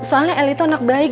soalnya eli itu anak baik